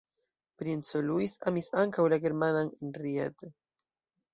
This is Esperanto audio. Princo Luis amis ankaŭ la germanan Henriette.